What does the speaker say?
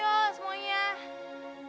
tolong bantu kakaknya yaa